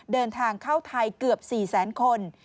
เดินทางเข้าไทยเกือบ๔แสนคน